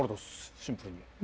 シンプルに。